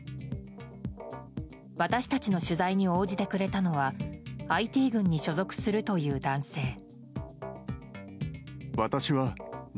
私たちの取材に応じてくれたのはＩＴ軍に所属するという男性。